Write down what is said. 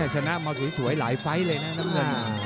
ชนะมาสวยหลายไฟล์เลยนะน้ำเงิน